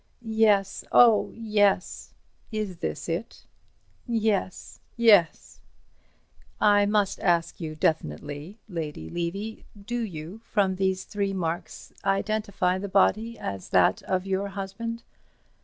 "Yes, oh, yes." "Is this it?" "Yes—yes—" "I must ask you definitely, Lady Levy. Do you, from these three marks identify the body as that of your husband?"